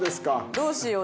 どうしよう？